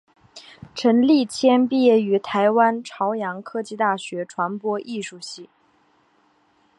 陈立谦毕业于台湾朝阳科技大学传播艺术系。